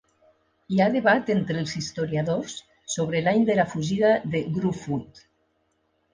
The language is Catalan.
Hi ha debat entre els historiadors sobre l'any de la fugida de Gruffudd.